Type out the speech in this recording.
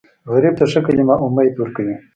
غریب ته ښه کلمه امید ورکوي